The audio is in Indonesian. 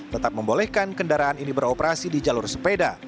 tetap membolehkan kendaraan ini beroperasi di jalur sepeda